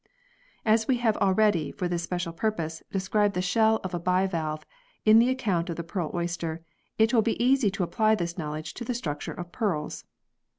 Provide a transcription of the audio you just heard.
As we have already, for this special purpose, described the shell of a bivalve in the account of the pearl oyster, it will be easy to apply this knowledge to the structure of pearls.